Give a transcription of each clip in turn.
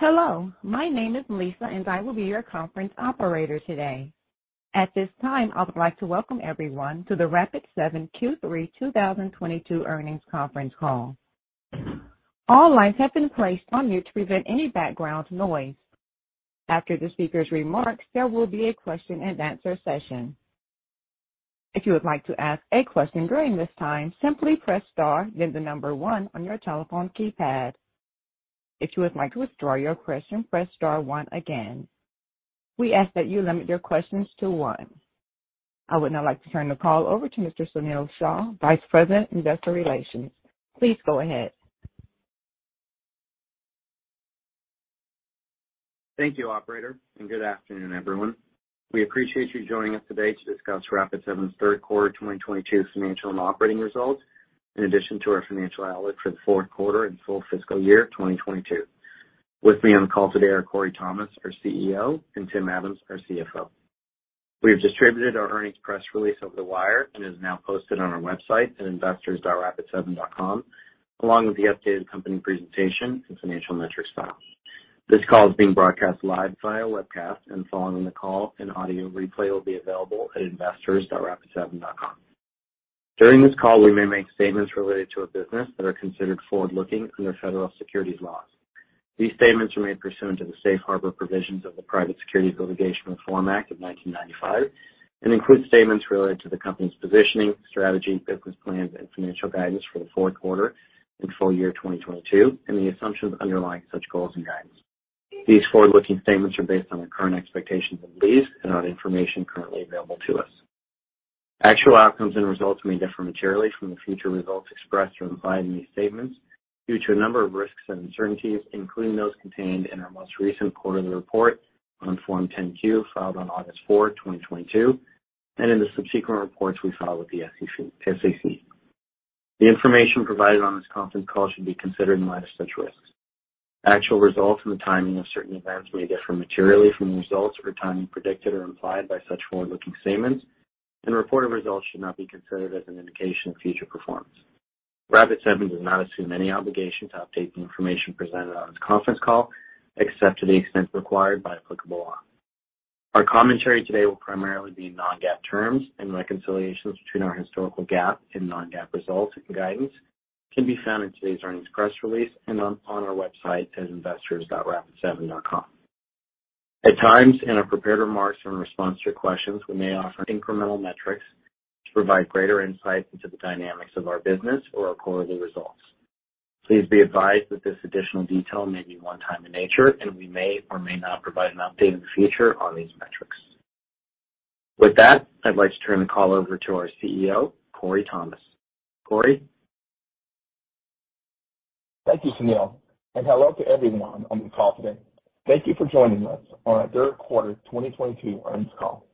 Hello, my name is Lisa, and I will be your conference operator today. At this time, I would like to welcome everyone to the Rapid7 Q3 2022 earnings conference call. All lines have been placed on mute to prevent any background noise. After the speaker's remarks, there will be a question and answer session. If you would like to ask a question during this time, simply press star then the number one on your telephone keypad. If you would like to withdraw your question, press star one again. We ask that you limit your questions to one. I would now like to turn the call over to Mr. Sunil Shah, Vice President, Investor Relations. Please go ahead. Thank you, operator, and good afternoon, everyone. We appreciate you joining us today to discuss Rapid7's Q3 2022 financial and operating results in addition to our financial outlook for the Q4 and full fiscal year 2022. With me on the call today are Corey Thomas, our CEO, and Tim Adams, our CFO. We have distributed our earnings press release over the wire and is now posted on our website at investors.rapid7.com, along with the updated company presentation and financial metrics file. This call is being broadcast live via webcast, and following the call an audio replay will be available at investors.rapid7.com. During this call, we may make statements related to our business that are considered forward-looking under federal securities laws. These statements are made pursuant to the safe harbor provisions of the Private Securities Litigation Reform Act of 1995 and include statements related to the company's positioning, strategy, business plans, and financial guidance for the Q4 and full year 2022, and the assumptions underlying such goals and guidance. These forward-looking statements are based on the current expectations and beliefs and on information currently available to us. Actual outcomes and results may differ materially from the future results expressed or implied in these statements due to a number of risks and uncertainties, including those contained in our most recent quarterly report on Form 10-Q filed on August 4, 2022, and in the subsequent reports we file with the SEC. The information provided on this conference call should be considered in light of such risks. Actual results and the timing of certain events may differ materially from the results or timing predicted or implied by such forward-looking statements, and reported results should not be considered as an indication of future performance. Rapid7 does not assume any obligation to update the information presented on this conference call, except to the extent required by applicable law. Our commentary today will primarily be non-GAAP terms and reconciliations between our historical GAAP and non-GAAP results and guidance can be found in today's earnings press release and on our website at investors dot Rapid7 dot com. At times, in our prepared remarks and response to your questions, we may offer incremental metrics to provide greater insight into the dynamics of our business or our quarterly results. Please be advised that this additional detail may be one time in nature, and we may or may not provide an update in the future on these metrics. With that, I'd like to turn the call over to our CEO, Corey Thomas. Corey? Thank you, Sunil, and hello to everyone on the call today. Thank you for joining us on our Q3 2022 earnings call.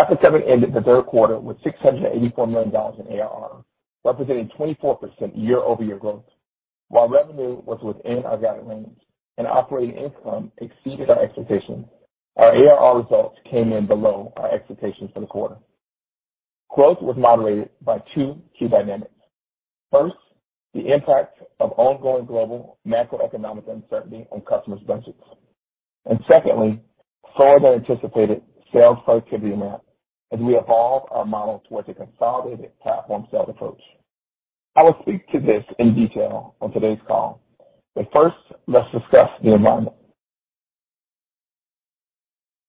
Rapid7 ended the Q3 with $684 million in ARR, representing 24% year-over-year growth. While revenue was within our guided range and operating income exceeded our expectations, our ARR results came in below our expectations for the quarter. Growth was moderated by two key dynamics. First, the impact of ongoing global macroeconomic uncertainty on customers' budgets, and secondly, slower than anticipated sales productivity ramp as we evolve our model towards a consolidated platform sales approach. I will speak to this in detail on today's call, but first, let's discuss the environment.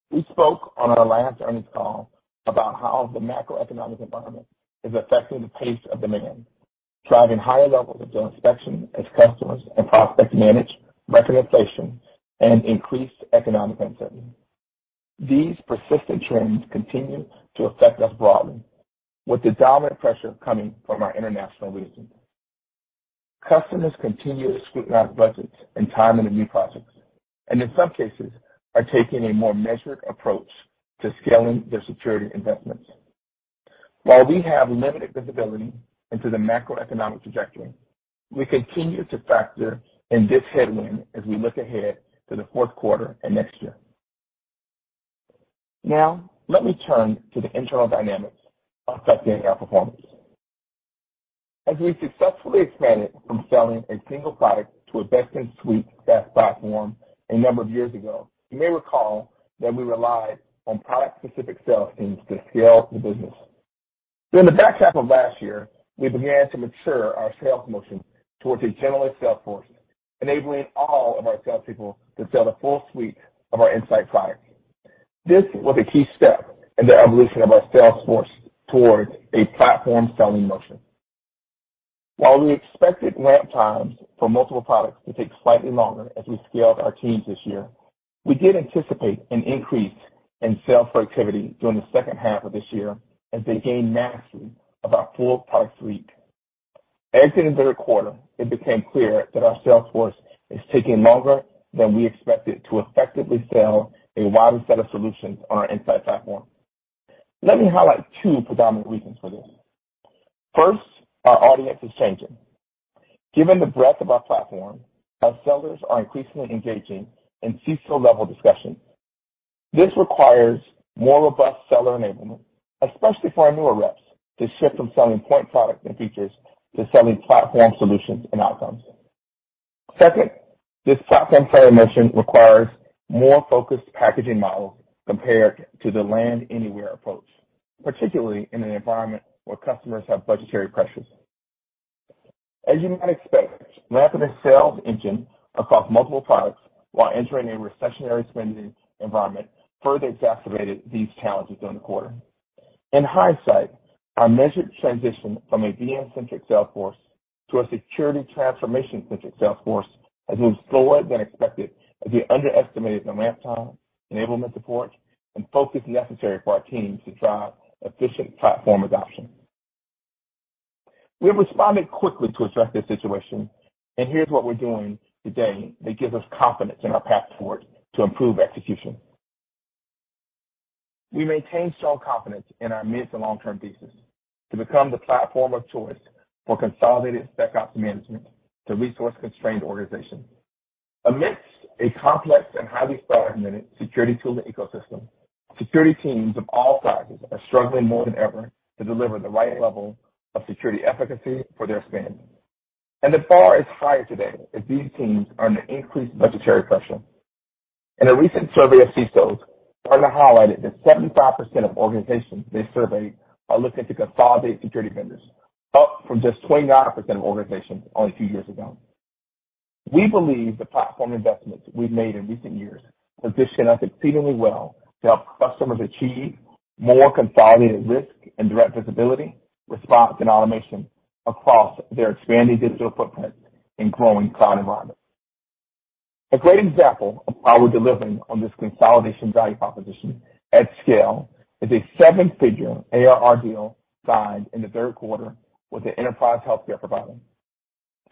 We spoke on our last earnings call about how the macroeconomic environment is affecting the pace of demand, driving higher levels of deal inspection as customers and prospects manage record inflation and increased economic uncertainty. These persistent trends continue to affect us broadly, with the dominant pressure coming from our international regions. Customers continue to scrutinize budgets and timing of new projects, and in some cases are taking a more measured approach to scaling their security investments. While we have limited visibility into the macroeconomic trajectory, we continue to factor in this headwind as we look ahead to the Q4 and next year. Now let me turn to the internal dynamics affecting our performance. As we successfully expanded from selling a single product to a best-in-class SaaS platform a number of years ago, you may recall that we relied on product-specific sales teams to scale the business. During the back half of last year, we began to mature our sales motion towards a generalist sales force, enabling all of our salespeople to sell the full suite of our Insight products. This was a key step in the evolution of our sales force towards a platform-selling motion. While we expected ramp times for multiple products to take slightly longer as we scaled our teams this year, we did anticipate an increase in sales productivity during the second half of this year as they gained mastery of our full product suite. Exiting the Q3, it became clear that our sales force is taking longer than we expected to effectively sell a wider set of solutions on our Insight platform. Let me highlight two predominant reasons for this. First, our audience is changing. Given the breadth of our platform, our sellers are increasingly engaging in C-suite level discussions. This requires more robust seller enablement, especially for our newer reps, to shift from selling point products and features to selling platform solutions and outcomes. Second, this platform selling motion requires more focused packaging models compared to the land anywhere approach, particularly in an environment where customers have budgetary pressures. As you might expect, Rapid7's sales engine across multiple products while entering a recessionary spending environment further exacerbated these challenges during the quarter. In hindsight, our measured transition from a VM-centric sales force to a security transformation-centric sales force has moved slower than expected as we underestimated the ramp time, enablement support, and focus necessary for our teams to drive efficient platform adoption. We have responded quickly to address this situation, and here's what we're doing today that gives us confidence in our path forward to improve execution. We maintain strong confidence in our mid to long-term thesis to become the platform of choice for consolidated SecOps management to resource-constrained organizations. Amidst a complex and highly fragmented security tool ecosystem, security teams of all sizes are struggling more than ever to deliver the right level of security efficacy for their spend. The bar is higher today as these teams are under increased budgetary pressure. In a recent survey of CISOs, part of it highlighted that 75% of organizations they surveyed are looking to consolidate security vendors, up from just 29% of organizations only a few years ago. We believe the platform investments we've made in recent years position us exceedingly well to help customers achieve more consolidated risk and direct visibility, response, and automation across their expanding digital footprint and growing cloud environments. A great example of how we're delivering on this consolidation value proposition at scale is a seven-figure ARR deal signed in the Q3 with an enterprise healthcare provider.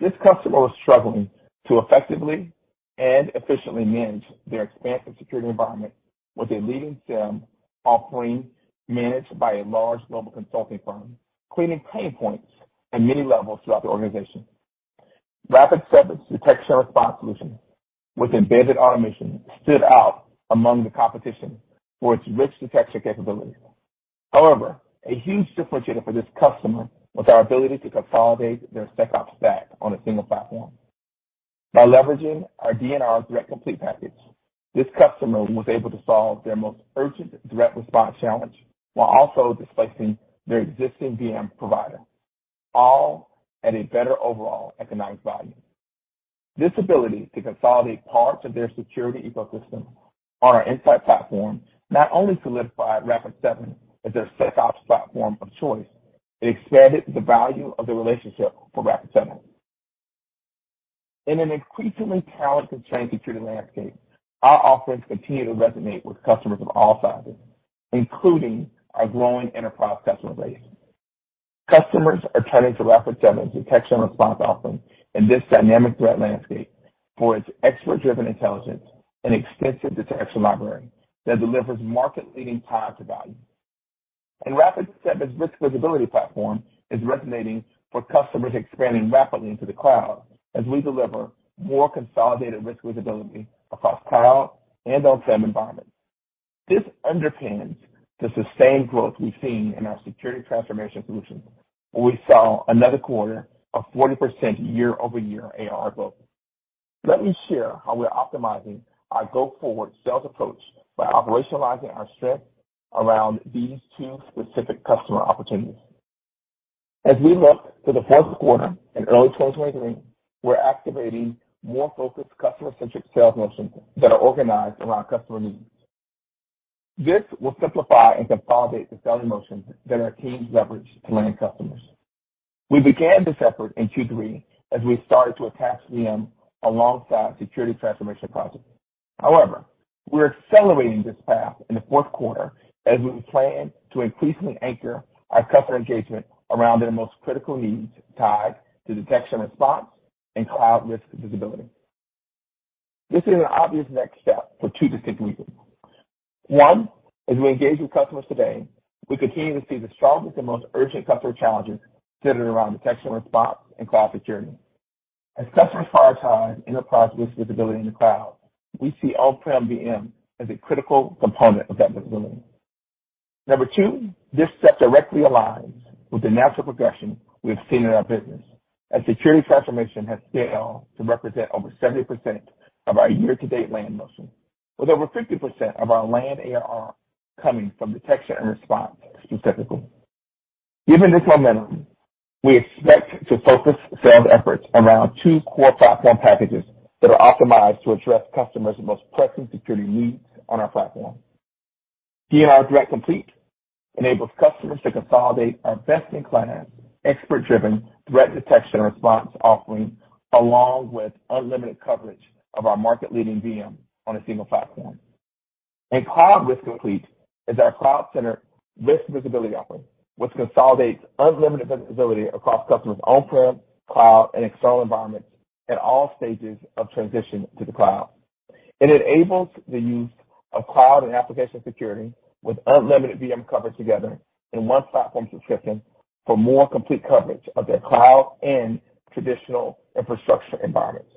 This customer was struggling to effectively and efficiently manage their expansive security environment with a leading SIEM offering managed by a large global consulting firm, creating pain points at many levels throughout the organization. Rapid7's detection response solution with embedded automation stood out among the competition for its rich detection capabilities. However, a huge differentiator for this customer was our ability to consolidate their SecOps stack on a single platform. By leveraging our MDR Threat Complete package, this customer was able to solve their most urgent threat response challenge while also displacing their existing VM provider, all at a better overall economic value. This ability to consolidate parts of their security ecosystem on our Insight Platform not only solidified Rapid7 as their SecOps platform of choice, it expanded the value of the relationship for Rapid7. In an increasingly talent-constrained security landscape, our offerings continue to resonate with customers of all sizes, including our growing enterprise customer base. Customers are turning to Rapid7's detection and response offering in this dynamic threat landscape for its expert-driven intelligence and extensive detection library that delivers market-leading price to value. Rapid7's risk visibility platform is resonating for customers expanding rapidly into the cloud as we deliver more consolidated risk visibility across cloud and on-prem environments. This underpins the sustained growth we've seen in our security transformation solutions, where we saw another quarter of 40% year-over-year ARR growth. Let me share how we're optimizing our go-forward sales approach by operationalizing our strength around these two specific customer opportunities. As we look to the Q4 in early 2023, we're activating more focused customer-centric sales motions that are organized around customer needs. This will simplify and consolidate the selling motions that our teams leverage to land customers. We began this effort in Q3 as we started to attach VM alongside security transformation projects. However, we're accelerating this path in the Q4 as we plan to increasingly anchor our customer engagement around their most critical needs tied to detection response and cloud risk visibility. This is an obvious next step for two distinct reasons. One, as we engage with customers today, we continue to see the strongest and most urgent customer challenges centered around detection response and cloud security. As customers prioritize enterprise risk visibility in the cloud, we see on-prem VM as a critical component of that visibility. Number two, this step directly aligns with the natural progression we have seen in our business, as security transformation has scaled to represent over 70% of our year-to-date land motion, with over 50% of our land ARR coming from detection and response specifically. Given this momentum, we expect to focus sales efforts around two core platform packages that are optimized to address customers' most pressing security needs on our platform. D&R Threat Complete enables customers to consolidate our best-in-class, expert-driven threat detection response offering, along with unlimited coverage of our market-leading VM on a single platform. Cloud Risk Complete is our cloud-centered risk visibility offering, which consolidates unlimited visibility across customers' on-prem, cloud, and external environments at all stages of transition to the cloud. It enables the use of cloud and application security with unlimited VM coverage together in one platform subscription. For more complete coverage of their cloud and traditional infrastructure environments.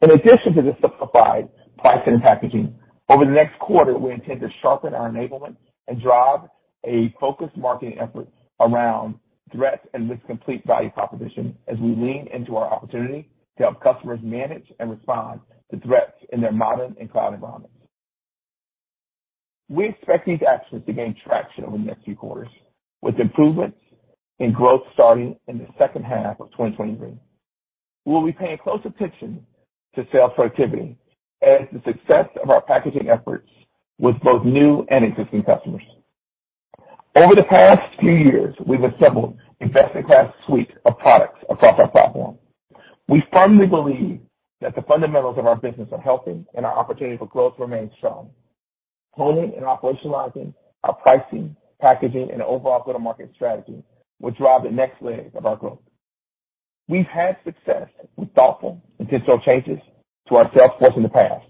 In addition to the simplified pricing and packaging, over the next quarter, we intend to sharpen our enablement and drive a focused marketing effort around Threat Complete value proposition as we lean into our opportunity to help customers manage and respond to threats in their modern and cloud environments. We expect these actions to gain traction over the next few quarters, with improvements in growth starting in the second half of 2023. We'll be paying close attention to sales productivity as the success of our packaging efforts with both new and existing customers. Over the past few years, we've assembled investment class suite of products across our platform. We firmly believe that the fundamentals of our business are healthy, and our opportunity for growth remains strong. Honing and operationalizing our pricing, packaging, and overall go-to-market strategy will drive the next leg of our growth. We've had success with thoughtful and deliberate changes to our sales force in the past,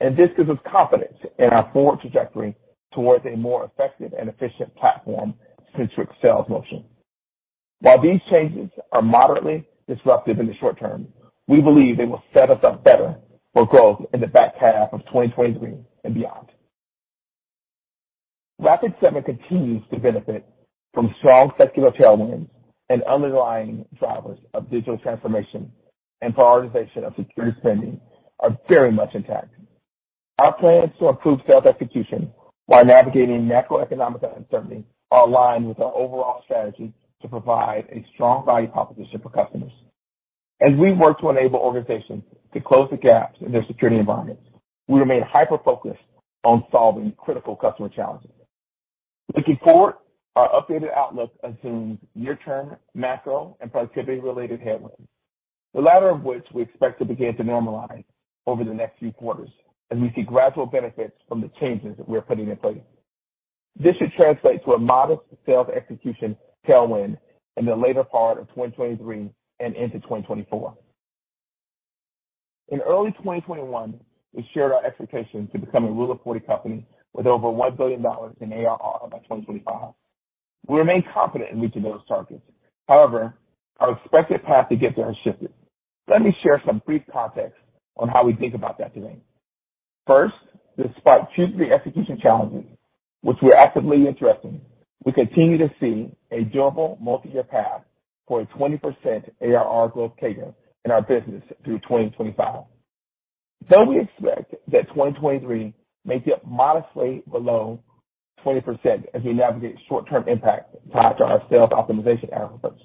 and this gives us confidence in our forward trajectory towards a more effective and efficient platform-centric sales motion. While these changes are moderately disruptive in the short term, we believe they will set us up better for growth in the back half of 2023 and beyond. Rapid7 continues to benefit from strong secular tailwinds and underlying drivers of digital transformation and prioritization of security spending are very much intact. Our plans to improve sales execution while navigating macroeconomic uncertainty are aligned with our overall strategy to provide a strong value proposition for customers. As we work to enable organizations to close the gaps in their security environments, we remain hyper-focused on solving critical customer challenges. Looking forward, our updated outlook assumes near-term macro and productivity-related headwinds, the latter of which we expect to begin to normalize over the next few quarters as we see gradual benefits from the changes that we are putting in place. This should translate to a modest sales execution tailwind in the later part of 2023 and into 2024. In early 2021, we shared our expectations to become a rule of forty company with over $1 billion in ARR by 2025. We remain confident in reaching those targets. However, our expected path to get there has shifted. Let me share some brief context on how we think about that today. First, despite Q3 execution challenges, which we're actively addressing, we continue to see a durable multi-year path for a 20% ARR growth CAGR in our business through 2025. Though we expect that 2023 may be up modestly below 20% as we navigate short-term impact tied to our sales optimization efforts.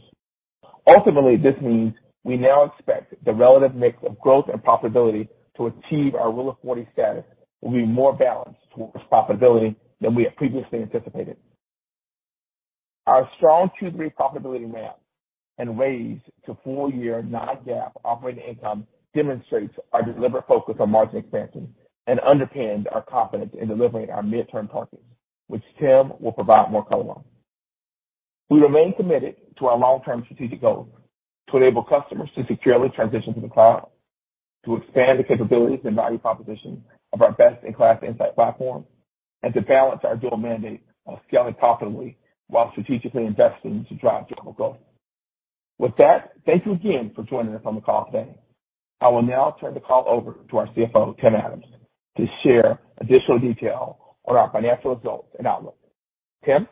Ultimately, this means we now expect the relative mix of growth and profitability to achieve our rule of forty status will be more balanced towards profitability than we had previously anticipated. Our strong Q3 profitability ramp and raise to full-year non-GAAP operating income demonstrates our deliberate focus on margin expansion and underpins our confidence in delivering our midterm targets, which Tim will provide more color on. We remain committed to our long-term strategic goals, to enable customers to securely transition to the cloud, to expand the capabilities and value proposition of our best-in-class Insight Platform, and to balance our dual mandate of scaling profitably while strategically investing to drive durable growth. With that, thank you again for joining us on the call today. I will now turn the call over to our CFO, Tim Adams, to share additional detail on our financial results and outlook. Tim?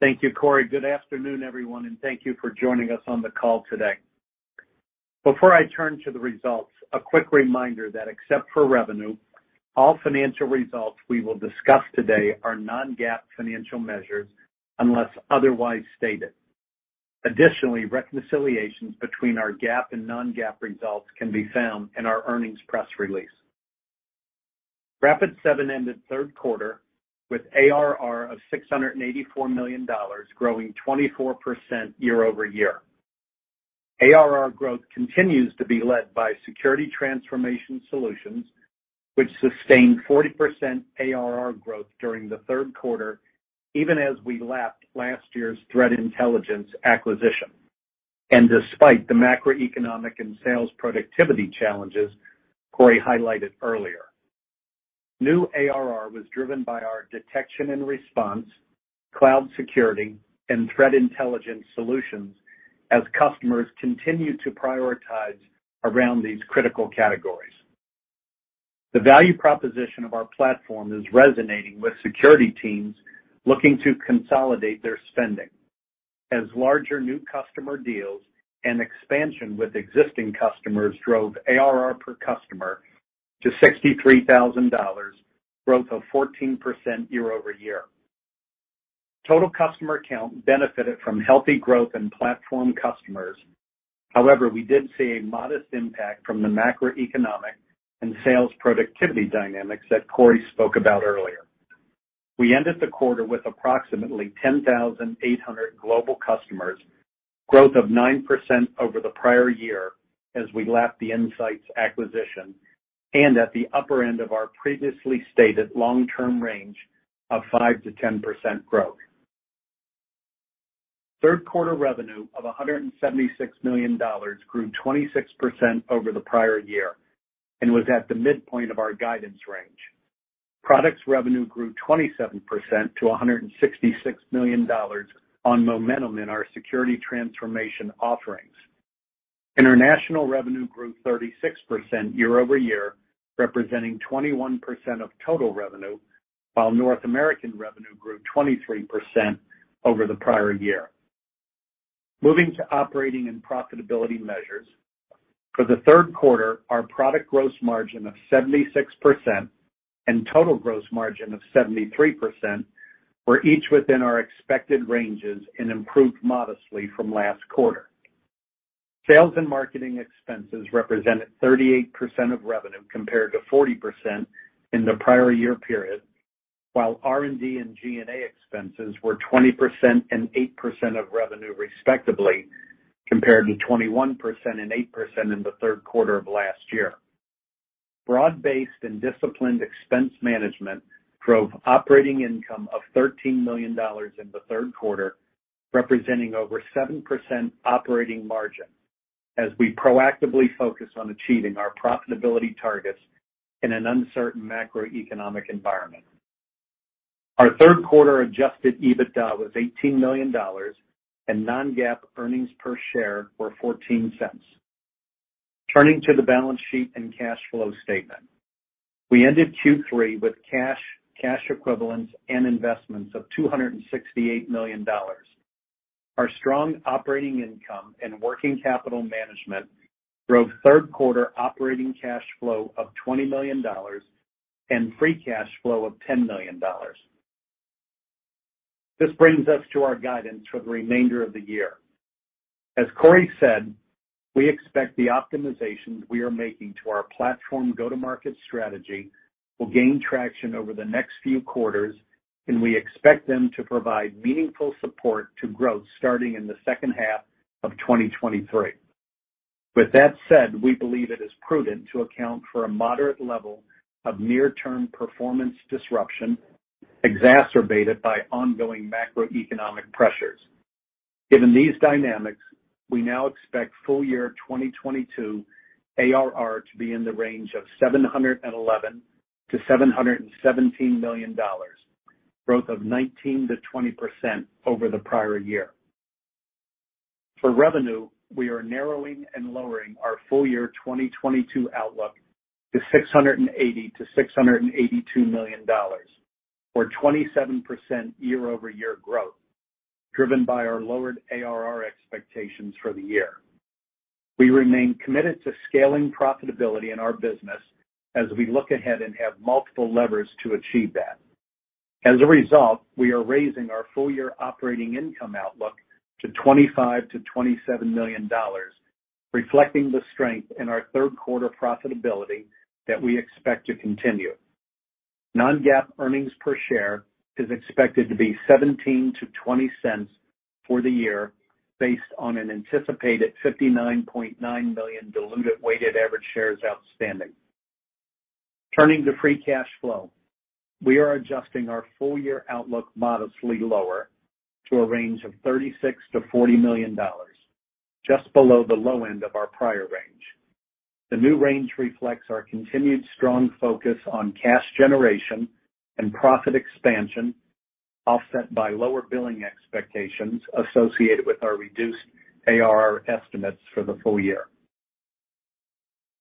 Thank you, Corey. Good afternoon, everyone, and thank you for joining us on the call today. Before I turn to the results, a quick reminder that except for revenue, all financial results we will discuss today are non-GAAP financial measures, unless otherwise stated. Additionally, reconciliations between our GAAP and non-GAAP results can be found in our earnings press release. Rapid7 ended Q3 with ARR of $684 million, growing 24% year-over-year. ARR growth continues to be led by security transformation solutions, which sustained 40% ARR growth during the Q3, even as we lapped last year's threat intelligence acquisition. Despite the macroeconomic and sales productivity challenges Corey highlighted earlier. New ARR was driven by our detection and response, cloud security, and threat intelligence solutions as customers continue to prioritize around these critical categories. The value proposition of our platform is resonating with security teams looking to consolidate their spending, as larger new customer deals and expansion with existing customers drove ARR per customer to $63,000, growth of 14% year-over-year. Total customer count benefited from healthy growth in platform customers. However, we did see a modest impact from the macroeconomic and sales productivity dynamics that Corey spoke about earlier. We ended the quarter with approximately 10,800 global customers, growth of 9% over the prior year as we lapped the IntSights acquisition, and at the upper end of our previously stated long-term range of 5%-10% growth. Q3 revenue of $176 million grew 26% over the prior year and was at the midpoint of our guidance range. Product revenue grew 27% to $166 million on momentum in our security transformation offerings. International revenue grew 36% year-over-year, representing 21% of total revenue, while North American revenue grew 23% over the prior year. Moving to operating and profitability measures. For the Q3, our product gross margin of 76% and total gross margin of 73% were each within our expected ranges and improved modestly from last quarter. Sales and marketing expenses represented 38% of revenue compared to 40% in the prior year period, while R&D and G&A expenses were 20% and 8% of revenue respectively, compared to 21% and 8% in the Q3 of last year. Broad-based and disciplined expense management drove operating income of $13 million in the Q3, representing over 7% operating margin as we proactively focus on achieving our profitability targets in an uncertain macroeconomic environment. Our Q3 adjusted EBITDA was $18 million and non-GAAP earnings per share were $0.14. Turning to the balance sheet and cash flow statement. We ended Q3 with cash equivalents, and investments of $268 million. Our strong operating income and working capital management drove Q3 operating cash flow of $20 million and free cash flow of $10 million. This brings us to our guidance for the remainder of the year. As Corey said, we expect the optimizations we are making to our platform go-to-market strategy will gain traction over the next few quarters, and we expect them to provide meaningful support to growth starting in the second half of 2023. With that said, we believe it is prudent to account for a moderate level of near-term performance disruption exacerbated by ongoing macroeconomic pressures. Given these dynamics, we now expect full-year 2022 ARR to be in the range of $711 to 717 million, growth of 19% to 20% over the prior year. For revenue, we are narrowing and lowering our full-year 2022 outlook to $680 to 682 million, or 27% year-over-year growth, driven by our lowered ARR expectations for the year. We remain committed to scaling profitability in our business as we look ahead and have multiple levers to achieve that. As a result, we are raising our full-year operating income outlook to $25 to 27 million, reflecting the strength in our Q3 profitability that we expect to continue. non-GAAP earnings per share is expected to be $0.17 to 0.20 for the year based on an anticipated 59.9 million diluted weighted average shares outstanding. Turning to free cash flow. We are adjusting our full-year outlook modestly lower to a range of $36 to 40 million, just below the low end of our prior range. The new range reflects our continued strong focus on cash generation and profit expansion, offset by lower billing expectations associated with our reduced ARR estimates for the full year.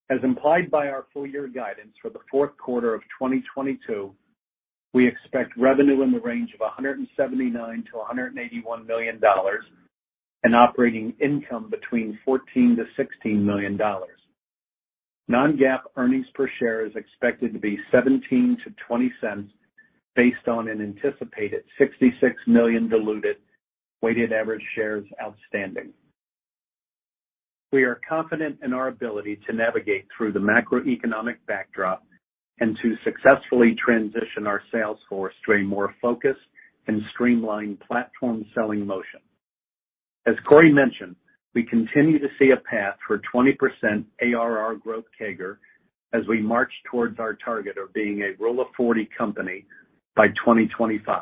As implied by our full year guidance for the Q4 of 2022, we expect revenue in the range of $179 to 181 million and operating income between $14 to 16 million. Non-GAAP earnings per share is expected to be $0.17 to 0.20 based on an anticipated 66 million diluted weighted average shares outstanding. We are confident in our ability to navigate through the macroeconomic backdrop and to successfully transition our sales force to a more focused and streamlined platform selling motion. As Corey mentioned, we continue to see a path for 20% ARR growth CAGR as we march towards our target of being a rule of forty company by 2025.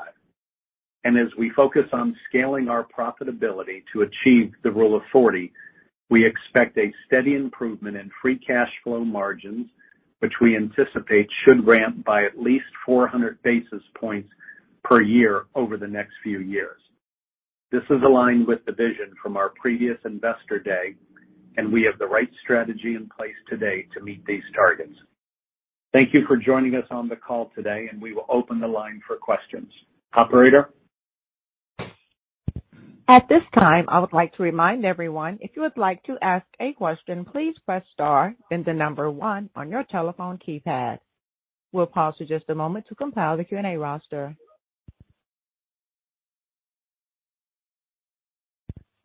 As we focus on scaling our profitability to achieve the rule of 40, we expect a steady improvement in free cash flow margins, which we anticipate should ramp by at least 400 basis points per year over the next few years. This is aligned with the vision from our previous Investor Day, and we have the right strategy in place today to meet these targets. Thank you for joining us on the call today, and we will open the line for questions. Operator? At this time, I would like to remind everyone, if you would like to ask a question, please press star, then the number one on your telephone keypad. We'll pause for just a moment to compile the Q&A roster.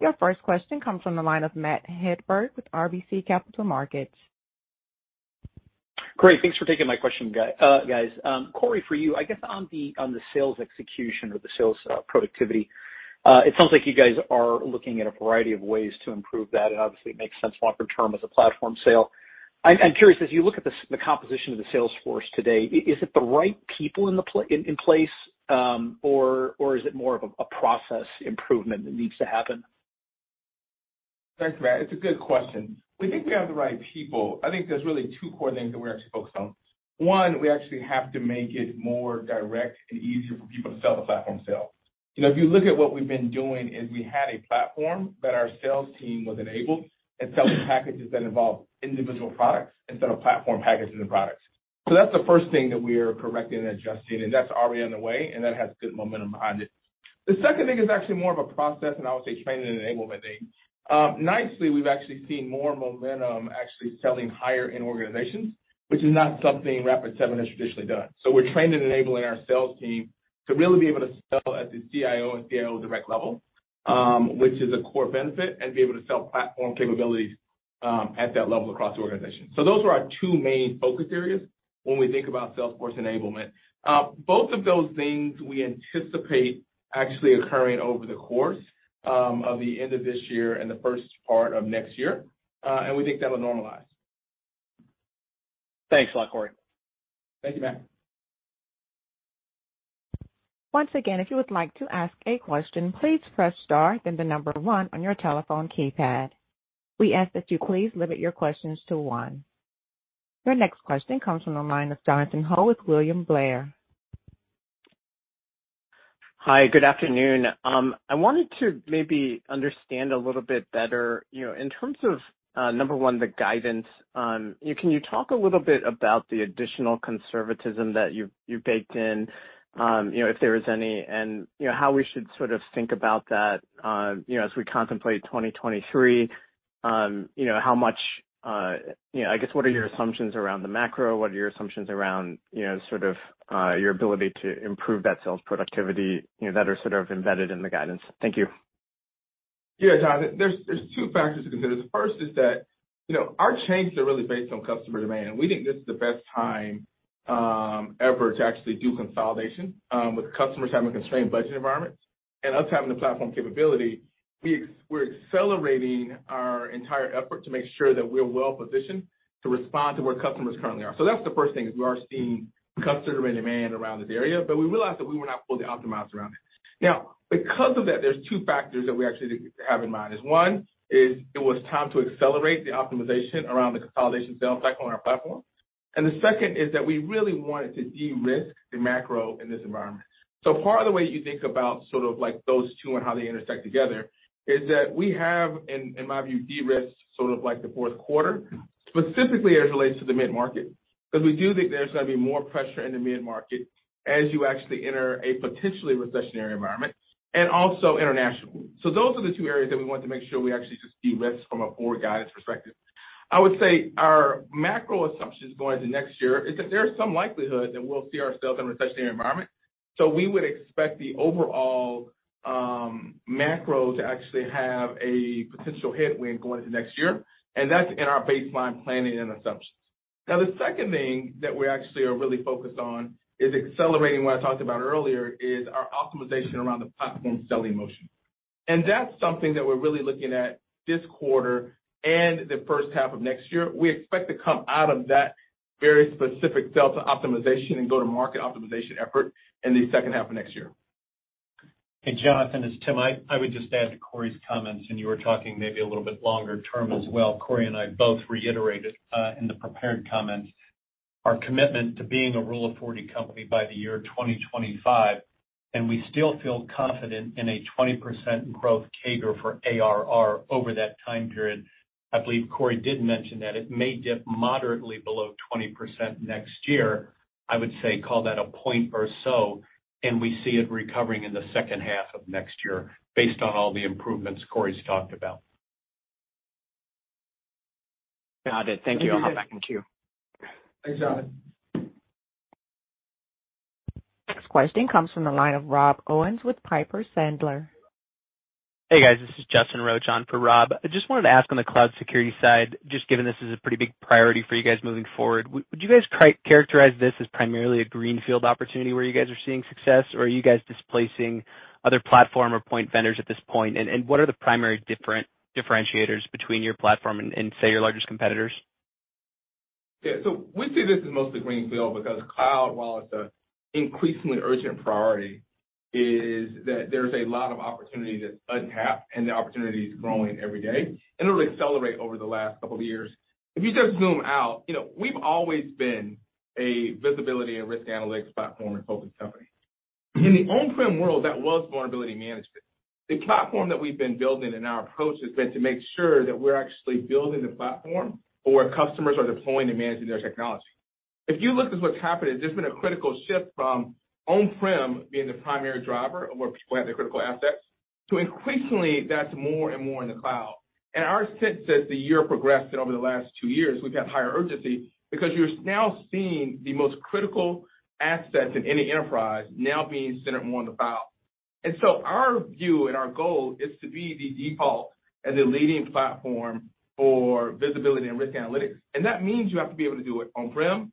Your first question comes from the line of Matt Hedberg with RBC Capital Markets. Great. Thanks for taking my question, guys. Corey, for you, I guess on the sales execution or the sales productivity, it sounds like you guys are looking at a variety of ways to improve that. It obviously makes sense longer term as a platform sale. I'm curious, as you look at the composition of the sales force today, is it the right people in place, or is it more of a process improvement that needs to happen? Thanks, Matt. It's a good question. We think we have the right people. I think there's really two core things that we're actually focused on. One, we actually have to make it more direct and easier for people to sell the platform itself. If you look at what we've been doing is we had a platform that our sales team was enabled and selling packages that involve individual products instead of platform packages and products. So that's the first thing that we are correcting and adjusting, and that's already on the way, and that has good momentum behind it. The second thing is actually more of a process, and I would say training and enablement thing. Nicely, we've actually seen more momentum actually selling higher in organizations, which is not something Rapid7 has traditionally done. We're trained at enabling our sales team to really be able to sell at the CIO and COO direct level, which is a core benefit, and be able to sell platform capabilities at that level across the organization. Those are our two main focus areas when we think about sales force enablement. Both of those things we anticipate actually occurring over the course of the end of this year and the first part of next year. We think that will normalize. Thanks a lot, Corey. Thank you, Matt. Once again, if you would like to ask a question, please press star then the number one on your telephone keypad. We ask that you please limit your questions to one. Your next question comes from the line of Jonathan Ho with William Blair. Hi, good afternoon. I wanted to maybe understand a little bit better in terms of, number one, the guidance can you talk a little bit about the additional conservatism that you baked in if there is any, and how we should sort of think about that as we contemplate 2023 how much I guess, what are your assumptions around the macro? What are your assumptions around sort of, your ability to improve that sales productivity that are sort of embedded in the guidance? Thank you. Yeah, John. There's two factors to consider. The first is that our changes are really based on customer demand, and we think this is the best time ever to actually do consolidation. With customers having constrained budget environments and us having the platform capability, we're accelerating our entire effort to make sure that we're well positioned to respond to where customers currently are. That's the first thing, we are seeing customer demand around this area, but we realized that we were not fully optimized around it. Now, because of that, there's two factors that we actually have in mind. One, it was time to accelerate the optimization around the consolidation sales cycle on our platform. The second is that we really wanted to de-risk the macro in this environment. Part of the way you think about sort of like those two and how they intersect together is that we have, in my view, de-risked sort of like the Q4, specifically as it relates to the mid-market. 'Cause we do think there's going to be more pressure in the mid-market as you actually enter a potentially recessionary environment and also international. Those are the two areas that we wanted to make sure we actually just de-risk from a forward guidance perspective. I would say our macro assumptions going into next year is that there is some likelihood that we'll see ourselves in a recessionary environment. We would expect the overall, macro to actually have a potential headwind going into next year, and that's in our baseline planning and assumptions. Now, the second thing that we actually are really focused on is accelerating what I talked about earlier, is our optimization around the platform selling motion. That's something that we're really looking at this quarter and the first half of next year. We expect to come out of that very specific delta optimization and go-to-market optimization effort in the second half of next year. Hey, Jonathan, it's Tim. I would just add to Corey's comments, and you were talking maybe a little bit longer term as well. Corey and I both reiterated in the prepared comments our commitment to being a Rule of 40 company by the year 2025, and we still feel confident in a 20% growth CAGR for ARR over that time period. I believe Corey did mention that it may dip moderately below 20% next year. I would say call that a point or so, and we see it recovering in the second half of next year based on all the improvements Corey's talked about. Got it. Thank you. I'll hop back in queue. Thanks, John. Next question comes from the line of Rob Owens with Piper Sandler. Hey, guys. This is Justin Roach on for Rob. I just wanted to ask on the cloud security side, just given this is a pretty big priority for you guys moving forward, would you guys characterize this as primarily a greenfield opportunity where you guys are seeing success, or are you guys displacing other platform or point vendors at this point? And what are the primary differentiators between your platform and, say, your largest competitors? Yeah. We see this as mostly greenfield because cloud, while it's an increasingly urgent priority, is that there's a lot of opportunity untapped and the opportunity is growing every day, and it'll accelerate over the last couple of years. If you just zoom out we've always been a visibility and risk analytics platform and focus company. In the on-prem world, that was vulnerability management. The platform that we've been building and our approach has been to make sure that we're actually building the platform for where customers are deploying and managing their technology. If you look at what's happened, there's been a critical shift from on-prem being the primary driver of where people have their critical assets to increasingly that's more and more in the cloud. Our sense as the year progressed and over the last two years, we've had higher urgency because you're now seeing the most critical assets in any enterprise now being centered more on the cloud. Our view and our goal is to be the default and the leading platform for visibility and risk analytics. That means you have to be able to do it on-prem,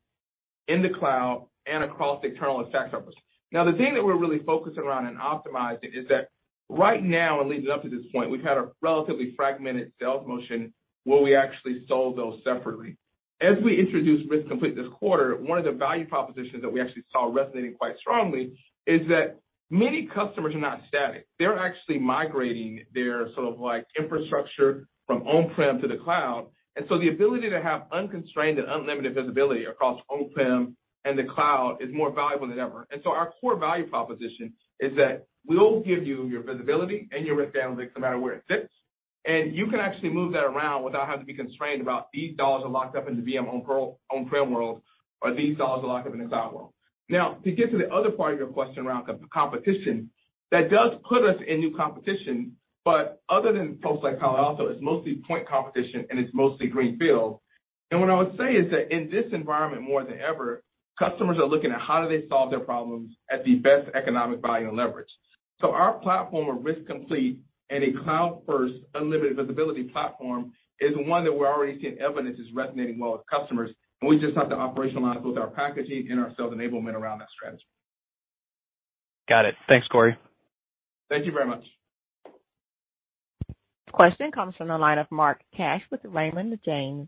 in the cloud, and across external attack surface. Now, the thing that we're really focused around and optimizing is that right now, and leading up to this point, we've had a relatively fragmented sales motion where we actually sold those separately. As we introduced Cloud Risk Complete this quarter, one of the value propositions that we actually saw resonating quite strongly is that many customers are not static. They're actually migrating their sort of like infrastructure from on-prem to the cloud. The ability to have unconstrained and unlimited visibility across on-prem and the cloud is more valuable than ever. Our core value proposition is that we'll give you your visibility and your risk analytics no matter where it sits, and you can actually move that around without having to be constrained about these dollars are locked up in the VM on-prem world, or these dollars are locked up in the cloud world. Now, to get to the other part of your question around competition, that does put us in new competition, but other than folks like Palo Alto, it's mostly point competition, and it's mostly greenfield. What I would say is that in this environment, more than ever, customers are looking at how do they solve their problems at the best economic value and leverage. Our Cloud Risk Complete platform and a cloud-first, unlimited visibility platform is one that we're already seeing evidence is resonating well with customers, and we just have to operationalize both our packaging and our sales enablement around that strategy. Got it. Thanks, Corey. Thank you very much. Question comes from the line of Mark Cash with Raymond James.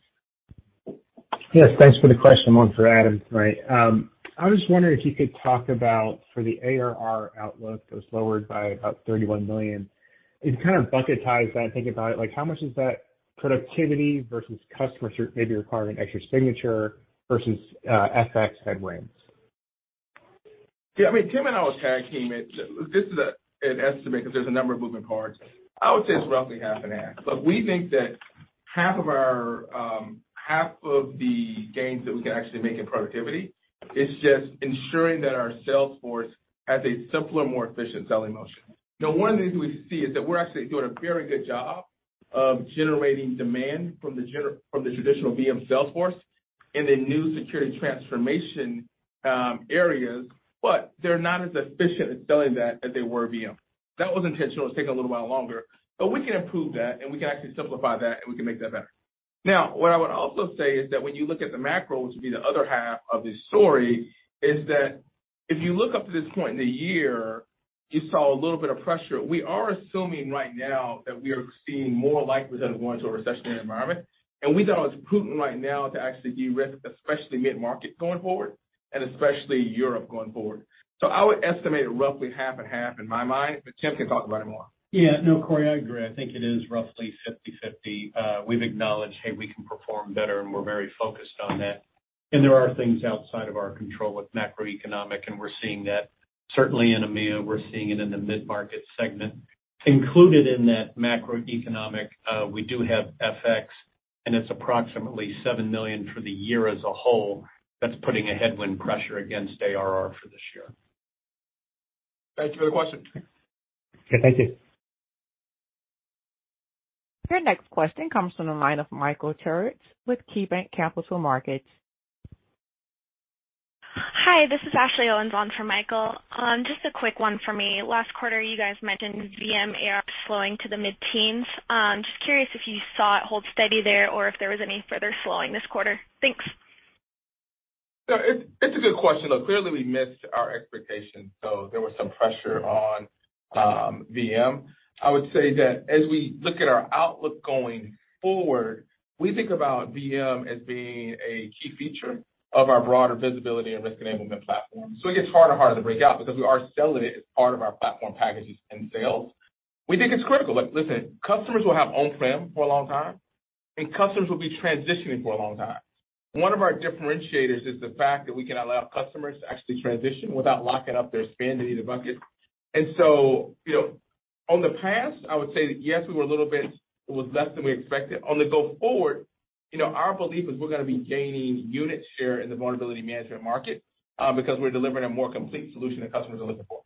Yes, thanks for the question. One for Tim Adams, right. I was wondering if you could talk about for the ARR outlook that was lowered by about $31 million. It kind of bucketed that and think about it like how much is that productivity versus customer maybe requiring extra signature versus FX headwinds. Yeah, I mean, Tim and I will tag team it. This is an estimate because there's a number of moving parts. I would say it's roughly half and half. Look, we think that half of our half of the gains that we can actually make in productivity is just ensuring that our sales force has a simpler, more efficient selling motion. Now, one of the things we see is that we're actually doing a very good job of generating demand from the traditional VM sales force in the new security transformation areas, but they're not as efficient at selling that as they were VM. That was intentional. It's taking a little while longer, but we can improve that, and we can actually simplify that, and we can make that better. Now, what I would also say is that when you look at the macro, which would be the other half of this story, is that if you look up to this point in the year, you saw a little bit of pressure. We are assuming right now that we are seeing more likelihood that it was a recessionary environment. We thought it was prudent right now to actually derisk, especially mid-market going forward and especially Europe going forward. I would estimate roughly half and half in my mind, but Tim can talk about it more. Yeah. No, Corey, I agree. I think it is roughly 50/50. We've acknowledged, hey, we can perform better, and we're very focused on that. There are things outside of our control with macroeconomic, and we're seeing that certainly in EMEA. We're seeing it in the mid-market segment. Included in that macroeconomic, we do have FX, and it's approximately $7 million for the year as a whole that's putting a headwind pressure against ARR for this year. Thanks for the question. Yeah, thank you. Your next question comes from the line of Michael Turits with KeyBanc Capital Markets. Hi, this is Ashley Owens on for Michael. Just a quick one for me. Last quarter, you guys mentioned VM ARR slowing to the mid-teens. Just curious if you saw it hold steady there or if there was any further slowing this quarter. Thanks. It's a good question. Look, clearly we missed our expectations, so there was some pressure on VM. I would say that as we look at our outlook going forward, we think about VM as being a key feature of our broader visibility and risk enablement platform. It gets harder and harder to break out because we are selling it as part of our platform packages and sales. We think it's critical. Like, listen, customers will have on-prem for a long time, and customers will be transitioning for a long time. One of our differentiators is the fact that we can allow customers to actually transition without locking up their spend in either bucket. In the past, I would say that yes, we were a little bit. It was less than we expected. On the go forward our belief is we're going to be gaining unit share in the vulnerability management market, because we're delivering a more complete solution that customers are looking for.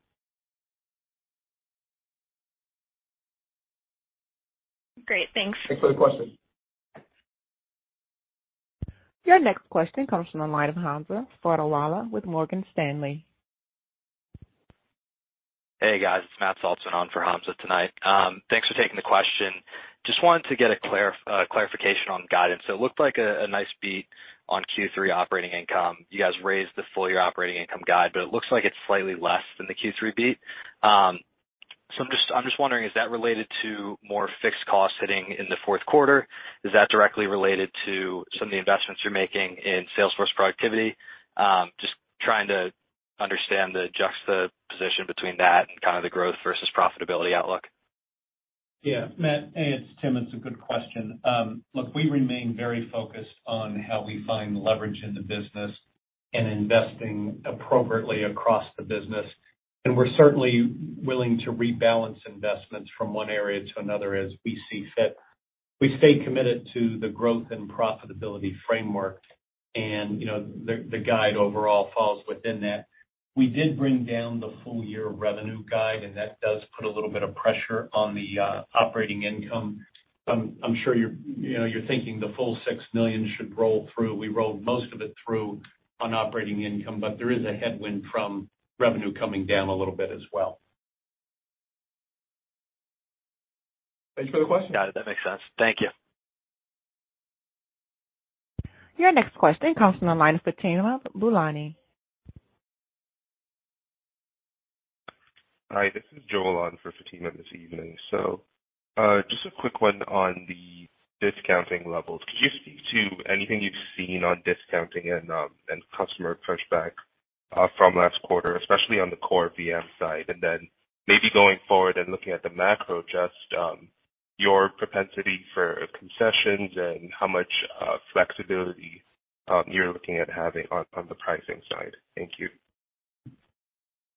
Great. Thanks. Thanks for the question. Your next question comes from the line of Hamza Fodderwala with Morgan Stanley. Hey, guys. It's Matt Saltzman on for Hamza tonight. Thanks for taking the question. Just wanted to get a clarification on guidance. It looked like a nice beat on Q3 operating income. You guys raised the full year operating income guide, but it looks like it's slightly less than the Q3 beat. I'm just wondering, is that related to more fixed costs hitting in the Q4? Is that directly related to some of the investments you're making in sales force productivity? Just trying to understand the juxtaposition between that and kind of the growth versus profitability outlook. Yeah. Matt, hey, it's Tim. It's a good question. Look, we remain very focused on how we find leverage in the business and investing appropriately across the business. We're certainly willing to rebalance investments from one area to another as we see fit. We stay committed to the growth and profitability framework, and the guide overall falls within that. We did bring down the full year revenue guide, and that does put a little bit of pressure on the operating income. I'm sure you're you're thinking the full $6 million should roll through. We rolled most of it through on operating income, but there is a headwind from revenue coming down a little bit as well. Thanks for the question. Got it. That makes sense. Thank you. Your next question comes from the line of Fatima Boolani. Hi, this is Joel on for Fatima this evening. Just a quick one on the discounting levels. Could you speak to anything you've seen on discounting and customer pushback from last quarter, especially on the core VM side? Then maybe going forward and looking at the macro, just your propensity for concessions and how much flexibility you're looking at having on the pricing side. Thank you.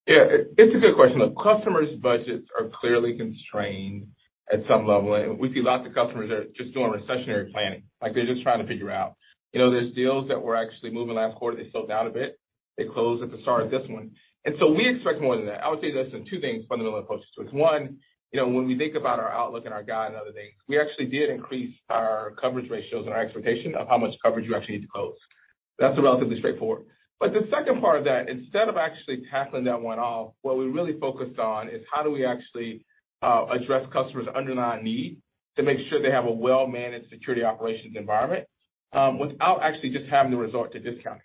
Yeah. It's a good question. Look, customers' budgets are clearly constrained at some level. We see lots of customers that are just doing recessionary planning. Like, they're just trying to figure out. There are deals that were actually moving last quarter. They slowed down a bit. They closed at the start of this one. We expect more than that. I would say this in two things, fundamentally approaches to it. one when we think about our outlook and our guide and other things, we actually did increase our coverage ratios and our expectation of how much coverage you actually need to close. That's relatively straightforward. The second part of that, instead of actually tackling that one-off, what we really focused on is how do we actually address customers' underlying need to make sure they have a well-managed security operations environment, without actually just having to resort to discounting.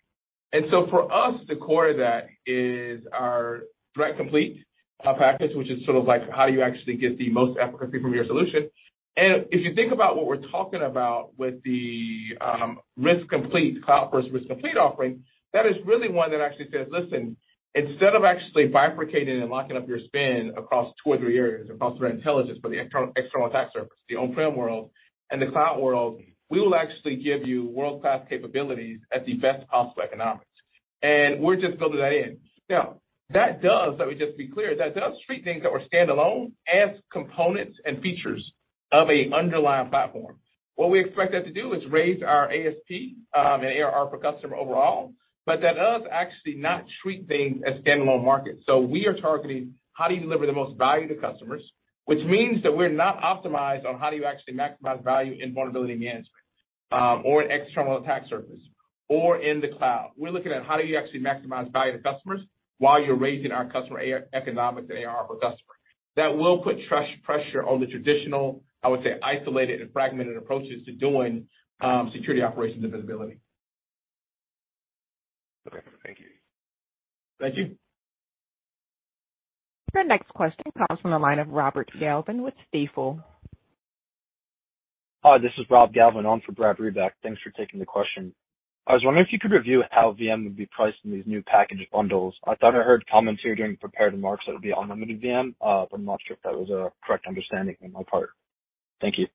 For us, the core of that is our Threat Complete practice, which is sort of like how do you actually get the most efficacy from your solution. If you think about what we're talking about with the Cloud Risk Complete, Cloud Risk Complete offering, that is really one that actually says, "Listen, instead of actually bifurcating and locking up your spend across two or three areas, across threat intelligence for the external attack surface, the on-prem world and the cloud world, we will actually give you world-class capabilities at the best possible economics." We're just building that in. That does, let me just be clear, that does treat things that were standalone as components and features of an underlying platform. What we expect that to do is raise our ASP and ARR per customer overall, but that does actually not treat things as standalone markets. We are targeting how do you deliver the most value to customers, which means that we're not optimized on how do you actually maximize value in vulnerability management or in external attack surface or in the cloud. We're looking at how do you actually maximize value to customers while you're raising our customer economics and ARR per customer. That will put true pressure on the traditional, I would say, isolated and fragmented approaches to doing security operations and visibility. Okay, thank you. Thank you. The next question comes from the line of Robert Galvin with Stifel. Hi, this is Robert Galvin on for Brad Reback. Thanks for taking the question. I was wondering if you could review how VM would be priced in these new package bundles. I thought I heard comments here during the prepared remarks that would be unlimited VM, but I'm not sure if that was a correct understanding on my part. Thank you.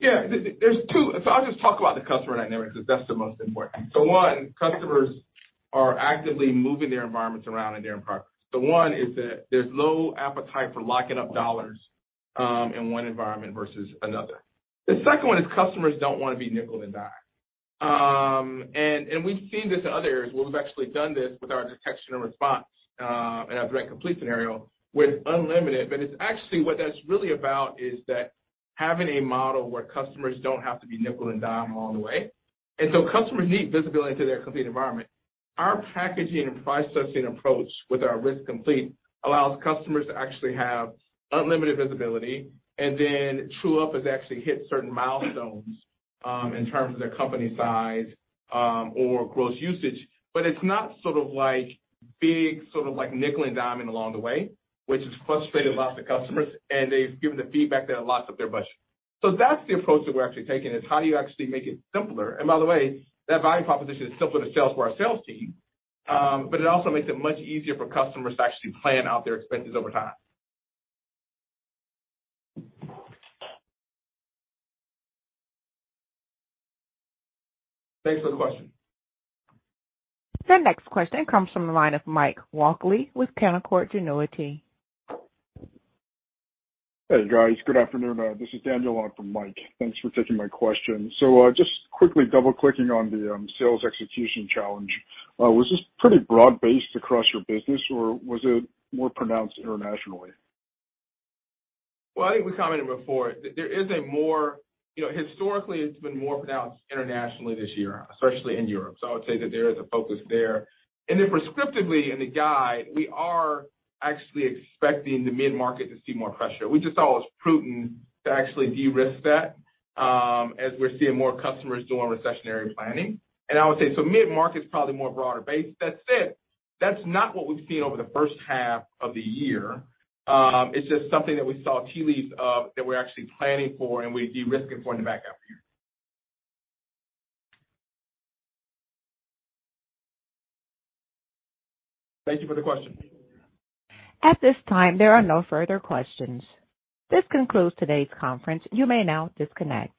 There's two. I'll just talk about the customer dynamic, because that's the most important. One, customers are actively moving their environments around in their environment. One is that there's low appetite for locking up dollars in one environment versus another. The second one is customers don't want to be nickeled and dimed. We've seen this in other areas where we've actually done this with our detection and response and our Threat Complete scenario with unlimited. It's actually what that's really about is that having a model where customers don't have to be nickeled and dimed along the way. Customers need visibility into their complete environment. Our packaging and price setting approach with our Cloud Risk Complete allows customers to actually have unlimited visibility and then true up as they actually hit certain milestones, in terms of their company size, or gross usage. It's not sort of like being nickeled and dimed along the way, which has frustrated lots of customers, and they've given the feedback that it locks up their budget. That's the approach that we're actually taking, is how do you actually make it simpler? By the way, that buying proposition is simpler to sell for our sales team, but it also makes it much easier for customers to actually plan out their expenses over time. Thanks for the question. The next question comes from the line of T. Michael Walkley with Canaccord Genuity. Hey, guys. Good afternoon. This is Daniel on for Mike Walkley. Thanks for taking my question. Just quickly double-clicking on the sales execution challenge, was this pretty broad-based across your business, or was it more pronounced internationally? Well, I think we commented before that there is a more. Historically, it's been more pronounced internationally this year, especially in Europe. I would say that there is a focus there. Then prescriptively in the guide, we are actually expecting the mid-market to see more pressure. We just thought it was prudent to actually de-risk that, as we're seeing more customers doing recessionary planning. I would say so mid-market is probably more broader base. That said, that's not what we've seen over the first half of the year. It's just something that we saw tea leaves of that we're actually planning for and we're de-risking for in the back half of the year. Thank you for the question. At this time, there are no further questions. This concludes today's conference. You may now disconnect.